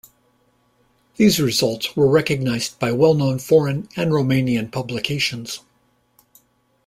These results were recognized by well-known foreign and Romanian publications.